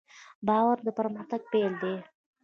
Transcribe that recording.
باور د پرمختګ پیل دی.